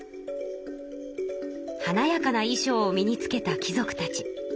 はなやかないしょうを身につけた貴族たち。